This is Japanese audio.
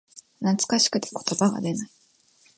懐かしくて言葉が出ない